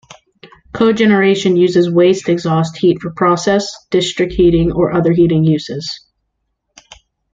Cogeneration uses waste exhaust heat for process, district heating or other heating uses.